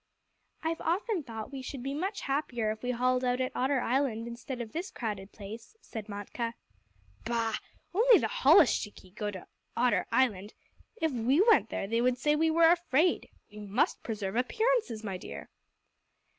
"I've often thought we should be much happier if we hauled out at Otter Island instead of this crowded place," said Matkah. "Bah! Only the holluschickie go to Otter Island. If we went there they would say we were afraid. We must preserve appearances, my dear."